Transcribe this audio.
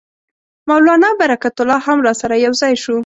مولنا برکت الله هم راسره یو ځای شو.